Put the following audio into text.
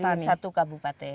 dari satu kabupaten